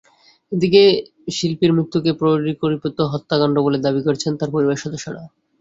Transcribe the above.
এদিকে শিল্পীর মৃত্যুকে পরিকল্পিত হত্যাকাণ্ড বলে দাবি করেছেন তাঁর পরিবারের সদস্যরা।